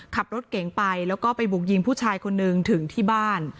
ขับรถเก่งไปแล้วก็ไปบุกยิงผู้ชายคนนึงถึงที่บ้าน